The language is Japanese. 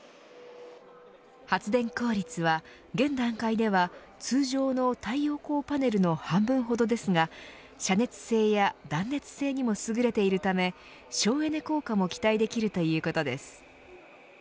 発電効率は現段階では通常の太陽光パネルの半分ほどですが遮熱性や断熱性にも優れているため省エネ効果も期待できるということです。